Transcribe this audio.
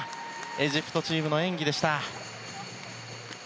エジプトチームの演技でした。